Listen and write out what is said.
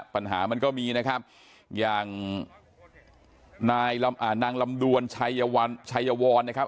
ปัญหามันก็มีนะครับอย่างนายนางลำดวนชัยวรนะครับ